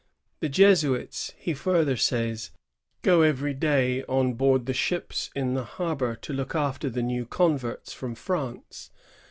The Jesuits, he further says, go every day on board the ships in the harbor to look after the new converts from France.